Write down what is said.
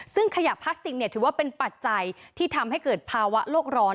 ซึ่งขยะพลาสติกถือว่าเป็นปัจจัยที่ทำให้เกิดภาวะโลกร้อน